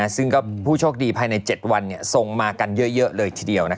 ซึ่งก็ผู้โชคดีภายใน๗วันทรงมากันเยอะเลยทีเดียว